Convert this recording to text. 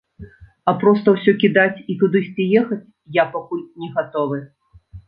А проста ўсё кідаць і кудысьці ехаць я пакуль не гатовы.